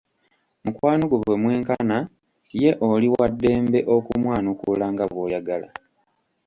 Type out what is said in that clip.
Mukwano gwo bwe mwenkana ye oli wa ddembe okumwanukula nga bw'oyagala.